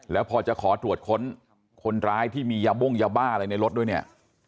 แล้วพอจะขอตรวจค้นคนร้ายที่มียาบ้งยาบ้าอะไรในรถด้วยเนี่ย